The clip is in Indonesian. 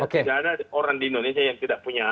tidak ada orang di indonesia yang tidak punya